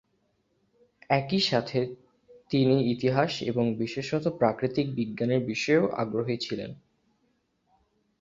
একই সাথে তিনি ইতিহাস এবং বিশেষত প্রাকৃতিক বিজ্ঞানের বিষয়েও আগ্রহী ছিলেন।